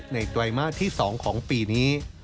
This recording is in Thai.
ไตรมาสที่๒ของปีนี้